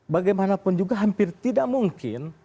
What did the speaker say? bagaimanapun juga hampir tidak mungkin